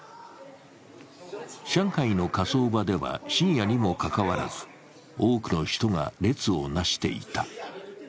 上海の火葬場では深夜にもかかわらず多くの人が列をなしていた。